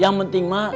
yang penting mak